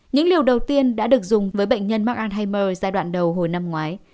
những liều đầu tiên đã được dùng với bệnh nhân mark anheimer giai đoạn đầu hồi năm ngoái